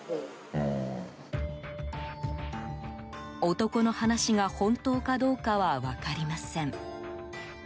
男の話が本当かどうかは分かりません。